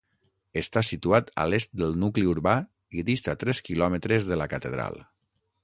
Està situat a l'est del nucli urbà i dista tres quilòmetres de la catedral.